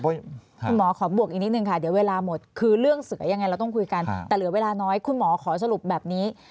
คุณหมอขอบวกอีกนิดนึงค่ะเดี๋ยวเวลาหมดคือเรื่องเสือยังไงเราต้องคุยกันแต่เหลือเวลาน้อยคุณหมอขอสรุปแบบนี้